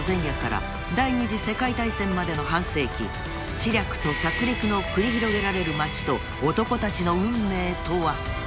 ［知略と殺りくの繰り広げられる町と男たちの運命とは？］